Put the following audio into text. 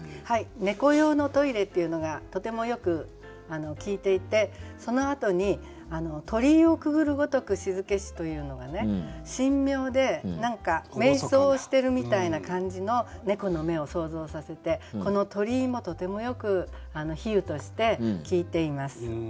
「ねこ用のトイレ」っていうのがとてもよく効いていてそのあとに「鳥居をくぐるごとくしづけし」というのがね神妙で何かめい想してるみたいな感じの猫の目を想像させてこの「鳥居」もとてもよく比喩として効いています。